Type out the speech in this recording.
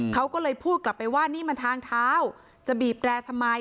เขาก็เลยพูดกลับไปว่านี่มันทางเท้าจะบีบแรร์ทำไม